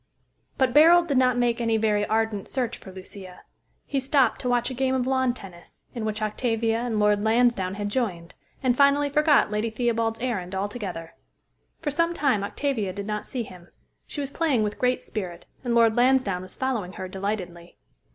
But Barold did not make any very ardent search for Lucia. He stopped to watch a game of lawn tennis, in which Octavia and Lord Lansdowne had joined, and finally forgot Lady Theobald's errand altogether. For some time Octavia did not see him. She was playing with great spirit, and Lord Lansdowne was following her delightedly.